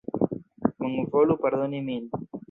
Bonvolu pardoni min!